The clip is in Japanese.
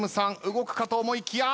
動くかと思いきや。